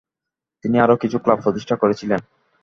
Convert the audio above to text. তিনি আরও কিছু ক্লাব প্রতিষ্ঠা করেছিলেন।